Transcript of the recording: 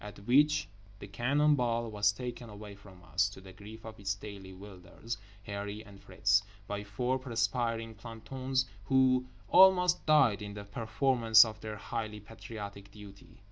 At which the cannon ball was taken away from us (to the grief of its daily wielders, Harree and Fritz) by four perspiring plantons, who almost died in the performance of their highly patriotic duty.